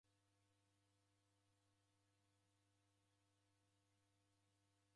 Ai ni magome ghaenga ghikumbilo kwa iyo kazi.